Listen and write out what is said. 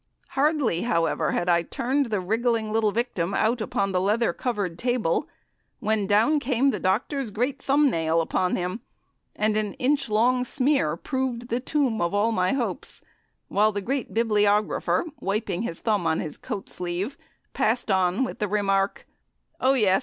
Hardly, however, had I turned the wriggling little victim out upon the leather covered table, when down came the doctor's great thumb nail upon him, and an inch long smear proved the tomb of all my hopes, while the great bibliographer, wiping his thumb on his coat sleeve, passed on with the remark, "Oh, yes!